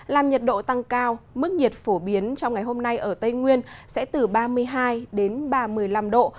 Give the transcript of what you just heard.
làm nhiệt độ tăng cao mức nhiệt phổ biến trong ngày hôm nay ở tây nguyên sẽ từ ba mươi hai đến ba mươi năm độ